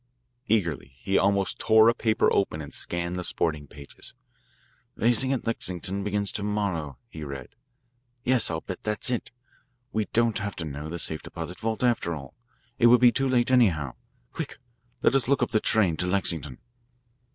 Eagerly he almost tore a paper open and scanned the sporting pages. "Racing at Lexington begins to morrow," he read. "Yes, I'll bet that's it. We don't have to know the safe deposit vault, after all. It would be too late, anyhow. Quick, let us look up the train to Lexington."